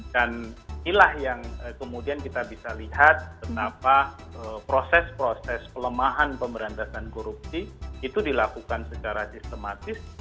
dan inilah yang kemudian kita bisa lihat kenapa proses proses kelemahan pemberantasan korupsi itu dilakukan secara sistematis